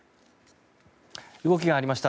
動きがありました。